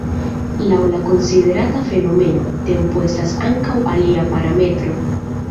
Laŭ la konsiderata fenomeno, tempo estas ankaŭ alia parametro.